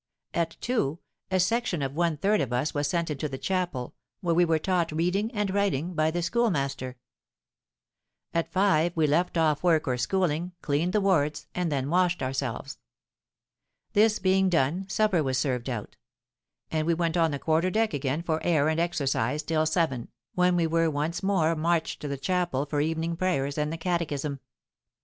At two, a section of one third of us was sent into the chapel, where we were taught reading and writing by the schoolmaster. At five we left off work or schooling, cleaned the wards, and then washed ourselves. This being done, supper was served out; and we went on the quarter deck again for air and exercise till seven, when we were once more marched to the chapel for evening prayers and the catechism.